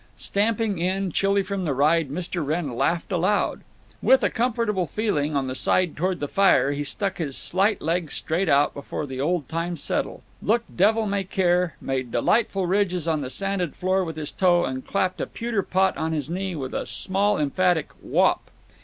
Stamping in, chilly from the ride, Mr. Wrenn laughed aloud. With a comfortable feeling on the side toward the fire he stuck his slight legs straight out before the old time settle, looked devil may care, made delightful ridges on the sanded floor with his toe, and clapped a pewter pot on his knee with a small emphatic "Wop!"